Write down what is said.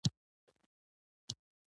لاسونه زړونه نرموي